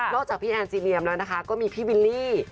จากพี่แอนซีเรียมแล้วนะคะก็มีพี่วิลลี่